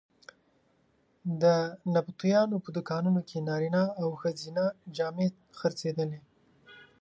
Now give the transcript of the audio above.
د نبطیانو په دوکانونو کې نارینه او ښځینه جامې خرڅېدلې.